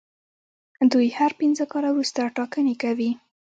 دوی هر پنځه کاله وروسته ټاکنې کوي.